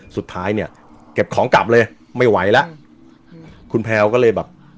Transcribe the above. สุดท้ายเนี่ยเก็บของกลับเลยไม่ไหวแล้วอืมคุณแพลวก็เลยแบบ